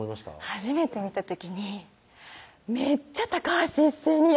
初めて見た時にめっちゃ高橋一生似や！